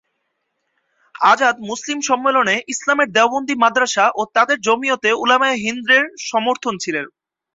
আজাদ মুসলিম সম্মেলনে ইসলামের দেওবন্দী মাদ্রাসা ও তাদের জমিয়তে উলামায়ে হিন্দ-র সমর্থন ছিল।